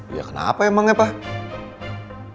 ya kenapa emang ya pak